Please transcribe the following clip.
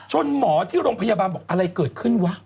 หมอที่โรงพยาบาลบอกอะไรเกิดขึ้นวะ